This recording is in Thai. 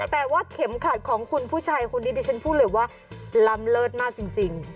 แต่ว่าเข็มขัดของคุณผู้ชายคนนี้ดิฉันพูดเลยว่าล้ำเลิศมากจริง